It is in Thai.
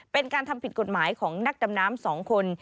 เป็นการทำผิดกฎหมายของนักดำน้ำ๒คน